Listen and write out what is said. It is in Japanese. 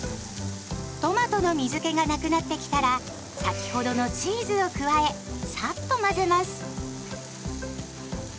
トマトの水けがなくなってきたら先ほどのチーズを加えサッと混ぜます。